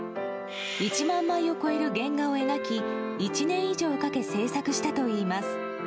１万枚を超える原画を描き１年以上かけ制作したといいます。